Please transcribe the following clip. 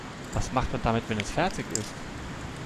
Was macht man damit, wenn es fertig ist?